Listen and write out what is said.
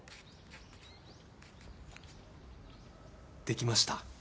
できました。